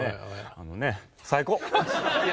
あのね最高！